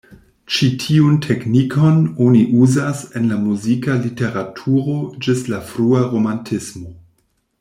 Ĉi tiun teknikon oni uzas en la muzika literaturo ĝis la frua romantismo.